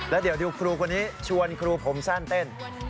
แล้วเดี๋ยวดูครูคนนี้ชวนครูผมสั้นเต้น